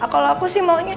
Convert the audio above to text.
kalau aku sih maunya